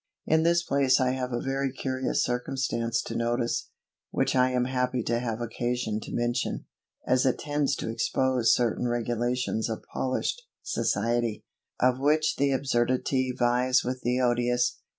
In this place I have a very curious circumstance to notice, which I am happy to have occasion to mention, as it tends to expose certain regulations of polished society, of which the absurdity vies with the odiousness.